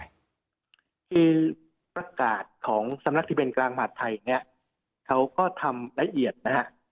คือประกาศของสำนักทะเบียนกลางมหาดไทยเนี่ยเขาก็ทำละเอียดนะฮะ